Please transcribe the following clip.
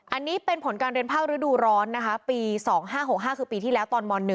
อันนี้เป็นผลการเรียนภาคฤดูร้อนนะคะปี๒๕๖๕คือปีที่แล้วตอนม๑